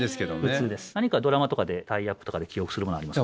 何かドラマとかでタイアップとかで記憶するものありますか？